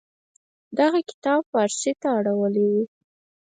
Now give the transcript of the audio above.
دغه کتاب پارسي ته اړولې و.